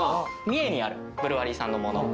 三重にあるブルワリーさんのもの。